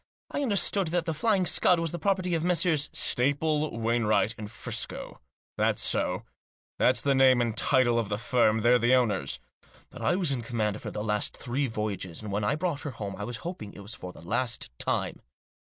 I understood that The Flying Scud was the property of Messrs. " "Staple, Wainwright and Friscoe; thafs so. That's the name and title of the firm ; they're the owners. But I was in command of her the last three voyages ; and when I brought her home I was hoping it was for the last time."